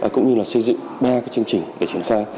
cũng như là xây dựng ba cái chương trình để triển khai